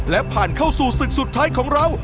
และผ่านเข้าสู่ศึกสุดท้ายของเรา